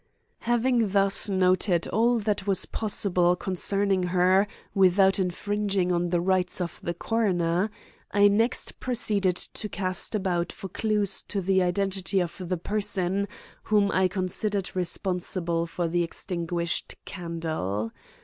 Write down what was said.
Having thus noted all that was possible concerning her without infringing on the rights of the coroner, I next proceeded to cast about for clues to the identity of the person whom I considered responsible for the extinguished candle.